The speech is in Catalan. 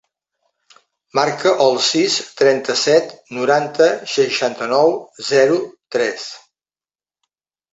Marca el sis, trenta-set, noranta, seixanta-nou, zero, tres.